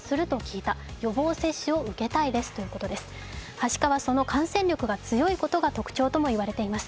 はしかは、その感染力が強いことも特徴と言われています。